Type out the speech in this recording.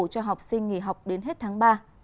cho học sinh nghỉ học đến hết tháng ba